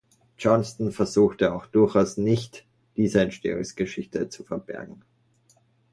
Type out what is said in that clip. Johnston versuchte auch durchaus nicht, diese Entstehungsgeschichte zu verbergen.